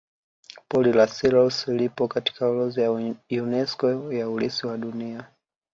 pori la selous lipo katika orodha ya unesco ya urithi wa dunia